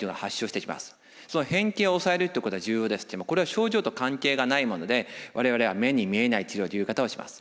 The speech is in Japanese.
その変形を抑えるということが重要ですけどこれは症状と関係がないもので我々は目に見えない治療という言い方をします。